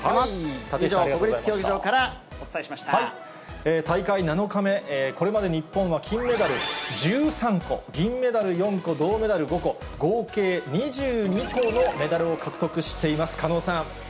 以上、国立競技場からお伝えしま大会７日目、これまで、日本は金メダル１３個、銀メダル４個、銅メダル５個、合計２２個のメダルを獲得しています。